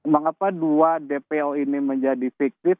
mengapa dua dpo ini menjadi fiktif